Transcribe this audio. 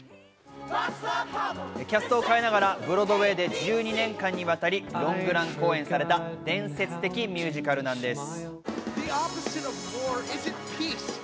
キャストを変えながらブロードウェーで１２年間に渡りロングラン公演された伝説的ミュージカルなんです。